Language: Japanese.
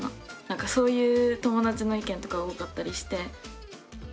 なんかそういう友達の意見とか多かったりして。